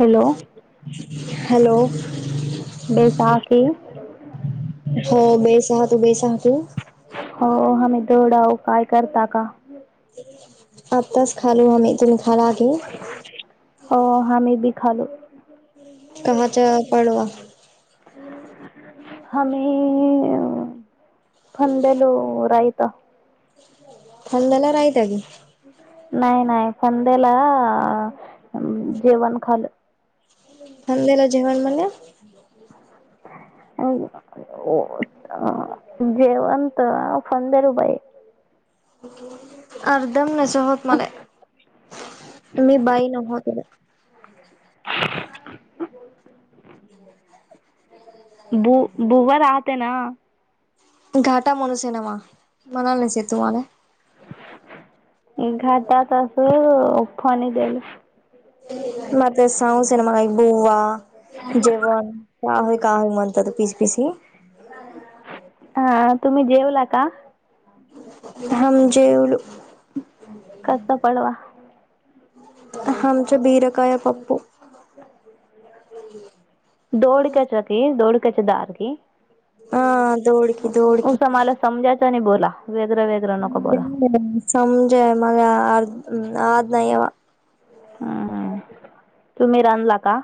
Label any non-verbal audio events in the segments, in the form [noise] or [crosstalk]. Hello hello बेसाखी हो बेसहातू बेसहातू थोडा उ काय करता का? अताच खालू हमी [unintelligible] हो हामी बी खालो. कहाच्या पडवा. हमे फंडलो रायता. फल्दला रायतग नाही नाही फंद्याला जेवण खालं. खाल्लेल जेवण मने. [unintelligible] [unintelligible] [inaudible] अर्धम नसो होत मला मी बाई न [inaudible] [inaudible] बु बुवा राहते ना. घाटा म्हणू सिनेमा म्हणालेसी तुम्हाले. घाटात अस फाणी देल [unintelligible] [inaudible] हा तुम्ही जेवला का? हम मी जेवलो. कसं पडवा. आमच्या बीरका या पप्पू. दोड कचाती दोड कच दार की हा दौडकी दौडकी. तने बोला. वेगळं वेगळं नको बोला समजा मला अर् आज नाही याव हम् तुम्ही रांधला का?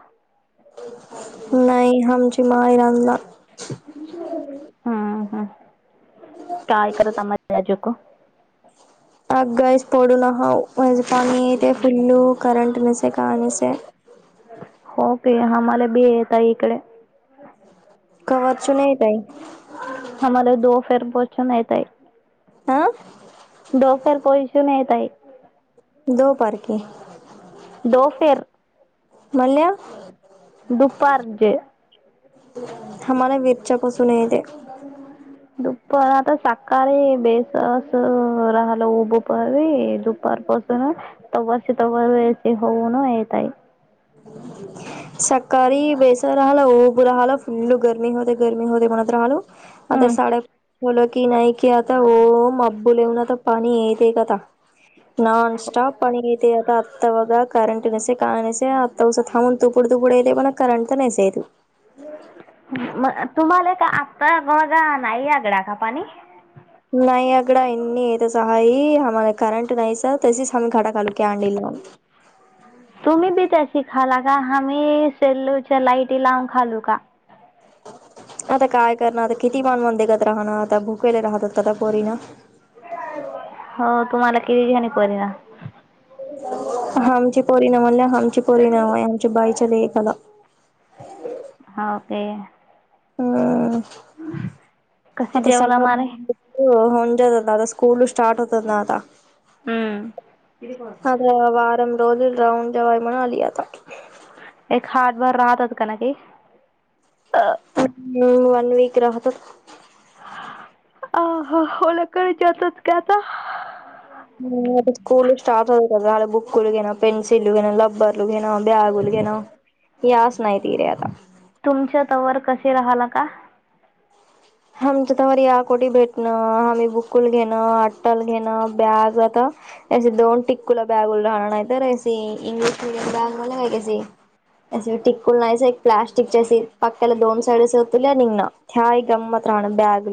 नाही हमची माहिरानला. ह ह काय करता माझे राजकु [unintelligible] ते आम्हाला बी येत इकडे. कवाच नाही काई. फर बोचून नाय ताई. आह. डोक्यावर पोशून येत आहे. दो पार्किं दो फेर मल्या्. दुपारचे [inaudible] का बेसस राहल उब परी दुपार पासून तवा. त हऊ ना ए त सकाळी बेसर राहिला उऊब राहाला फुल्ल गर्मी होते गर्मी होते म्हणत राहालो. आता हम्म साडेलो की नाही कि ओ. बल येवन आता पाणी येते का आता नॉन स्टॉप पाणी येते आता [unintelligible] मग तुम्हाला का आत्ता मघा नाही आगडा का पाणी. नाही अगडा इनी येतचहाई हमला करंट नाही सर तसच हम घाटा खालू क आंडीला. ह. [unintelligible] तुम्ही बी त्याशी खाला का आम्ही सेल्लोच्या लाईटी लावून खालू का? आता काय करणं आता किती मानवण देगत राहणारं आता भुकेले राहत होत आता पोरीन. हो तुम्हाला किती घणी परिना हमचे पोरिणा म्हण हमची पोरिणामा आहे आमच्या बाईच्या लेकाला [unintelligible] हा तेे. हम. कसे जेवला मारे होंजत नाता स्कूल स्टार्ट होत ना आता हम्म. रोज राऊन जवाय म्हणा आली आता एक हड बार राहतात काना क वन वीक राहत. अ लकडेच होतात का आता. स्टार्ट बुक ल घे ना पनसिलू घ ना रबर ल घे. ना ब्या गुल घे ना या सनाय त रहता. त ववर कसे राहाला का? आमच्या त्यावर या कोोटी भेटणं आम्ही बुकुल घेणं अट्टल घेणं बॅग आता े दोन टिक्कूला बॅगल राहणार नाही तर इंग्लिश मीडियम बॅग म्ह काय कस. असे टिककूल नाहीच एक प्लास्टिकच्या पक्ककाला दोन साईड होत निघ ना ह्याय गंमत. बॅग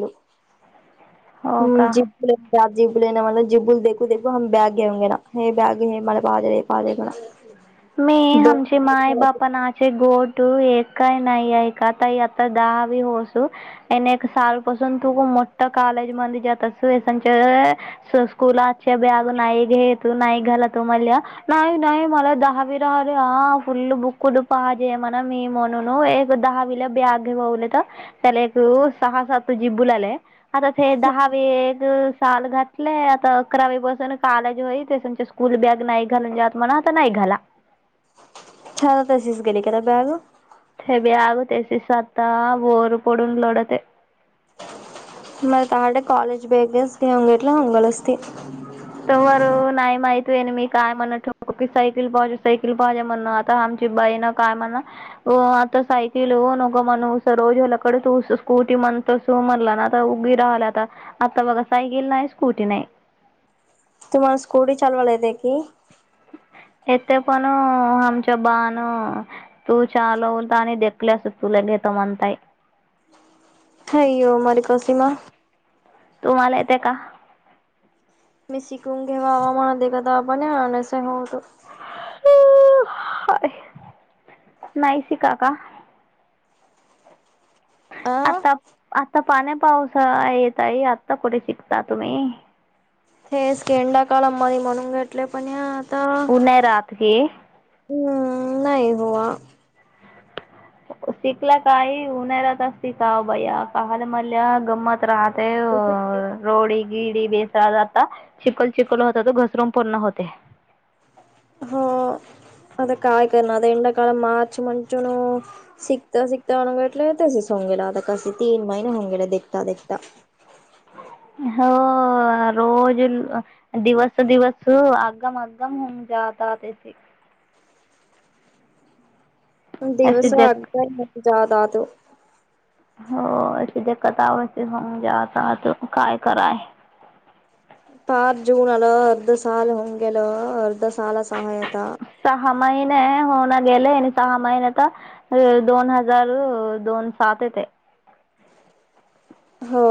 हो का जि जिबुल ना मला जिबल देखू देखू हम बॅग गेऊगे ना हे बॅग हे म पा पाज. मी आमचे माय बाप नाचे गोटू एक काय नाही ऐ आता आता दहावी होस साल पासून तू खू मोठ काल. जात स्कूला बॅग नाही घेतू नाही घाला तू नाही नाही मला दहा राार ह फुल्ल बुक्कड पाहाजयमना मी मनून एक दहावीला बॅग बवले. त्याला एक सहा सात जिबू लाला आता ते दहा. काल घातलेय आता अकरावी बसून कालेज होई तेच्या स्कूल बॅग नाही घालून जात म्हणा आता नाही घाला. ह तर अशीचगणी करा बॅग हे बी आग होतेिस आता बोर पडून लढत. म तर्डे कॉलेज बेग अस अंग इटलं अंगल असतती. तमर नाहीय माहिती त मी काय म्हण ठको की सायकल पाहजे सायकल पाहजे म्हणण आता आमची बाईण काय म्हण आता सैकल नघ मण रोजोलाकड तूसो स्कूट मण तोस मला आता रालाता आता बघा सायकल नाही स्कूटी नाही तुम्हाला स्कूटी चालवायला येते की येत पण आमच्या बाान तू चालवल आणि देकले अस तू तलं घ त म्हनत हाोमर कोशीिमा तुम्हाला येते का मी शिकून घेवावा म्हणात क आपणसत नाहीस का का अ आता आता पाण्या पावस येतई आत्ता कुठे शिकता तुम्ही हे स्केंडा कल मनी म्हणून घेतले पण या ता उन्हाळ्यात हे हम् नाही हआ शिकला काही उन्हार ततिक भैया काहाल मल्या गंमत राहत ते रोडी गिडी बेसरा जाता चििकल चिकल होत त घसरून पूर्ण होते ह आता काय कर ना आता एंा काळ माच मंचू न शिकखता शिकखता वागले य सि सो हो गेला काशी तीन महिने होंगेला देता देखता हो रोज दिवस दिवस आगगम आगगम होऊन जा ता तेचिक अशी दिवसा जग आगता मजाद आतो हो अशी दत आव होऊ जा आता काय कराय पाच जून आलं अर्ध साल होऊन गेलं अर्ध साल [unintelligible] गेले आणि सहा महिन्यात तर दोन हजार दोन सात येते. हो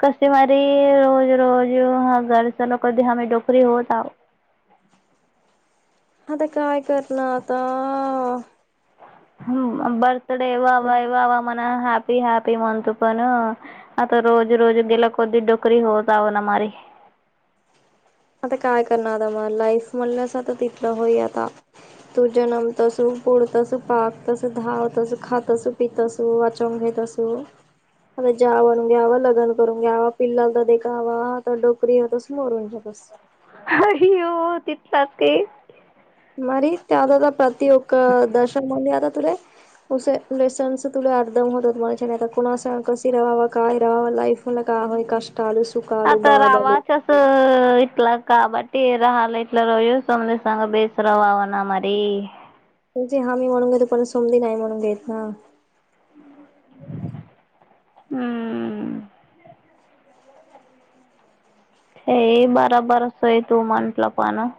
कशी मारी रोज रोज हा घर सलो कधी आम डोकरी होत आहोत. आता काय कर ना आता - बर्थडे एव आवा एव आवा मना हॅप - मी हॅपी म्हणतो पण आता रोज- रोज गेला कधी डोकरी होतव ना मारी - [inaudible] आता काय करणार आता मला लाईफ म्हणलंच आता तिथला होई आता - तू जन्म तस पुढ तस पाक तस धाव तस खातस पितस वाचन - केत असो - आता जाव आणून घ्यावा लग्न करून घ्यावा पिल्लाला तर देखावा आता डोकरी तस मोरून जातस- अ ही ओ ती जाते. मरी त्यातला प्रतओका दश मंद याता तले - उसे लेसन्स तुला अर्दम होतात मने आता कुणा कशी राहावा काय रहावा लाईफ म - मला का होय काष्ट! आता रावाच अस इथला - काबट राहाला इटला रो समंद सग बेसरा बावना मरी - तुजी हमी म्हणून घेतो परत सोमली नाही म्हणून घेत ना - हम्म हे बरोबर अस आहे तू म्हटलं पण -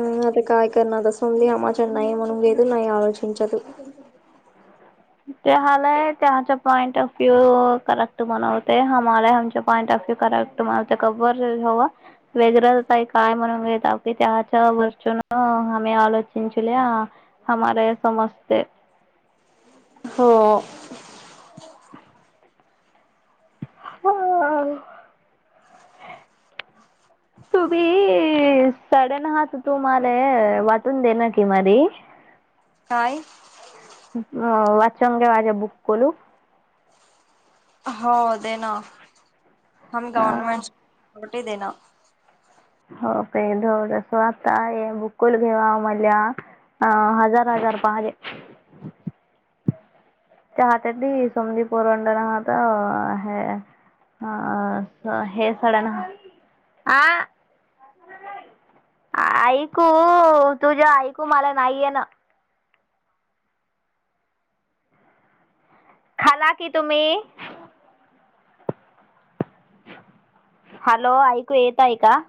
ह आता काय करणार आता समधी अमाज नाहीय म्हण घद नाहीय आलचचत - ते हलाय त्याच्या पॉइंट ऑफ व्यू करेक्ट बन होत हमार हमच्या पॉइंट ऑफ - करेक्ट तुम्हाला कर हवा वेगरं काय म्हणून - चुन हम आलोचनचल्या हमार या समजते. हो [unintelligible] तुभी सडन हाच तुमला वाटून दे ना की मारी - [unintelligible] नाहीय अ वाचचंगे वाजे बुक करलू - हो दे ना ह गवर्नमेंटरटी कुठे देना. हो काय सो आता बुकुल घेवा आ मला - हा हजार- हजार पाहजे - हत त समदी पोरवंड नाहात हे - [unintelligible] ऐकू तुझ्या ऐकू मला नाहीे येणं - खाला कि तुम्ही - हॅलो ऐकू येतय का -